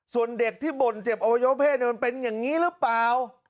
ส่วนเด็กที่บ่นเจ็บอวัยวะเพศมันเป็นอย่างนี้หรือเปล่า